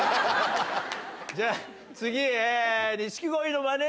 じゃあ次。